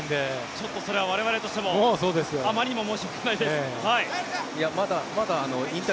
ちょっとそれは我々としてもあまりにも申し訳ないです。